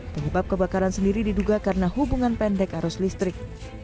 penyebab kebakaran sendiri diduga karena hubungan pendek arus listrik